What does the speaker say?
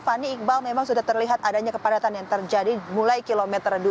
fani iqbal memang sudah terlihat adanya kepadatan yang terjadi mulai kilometer dua